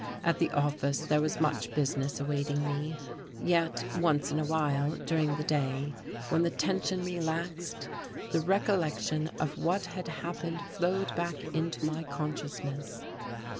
At the office, there was much business awaiting me; yet once in a while, during the day, when the tension relaxed, the recollection of what had happened flowed back into my consciousness.